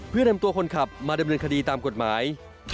เพื่อนำตัวคนขับมาดำเนินคดีตามกฎหมาย